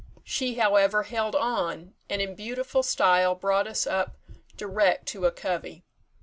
She, however, held on, and in beautiful style brought us up direct to a covey.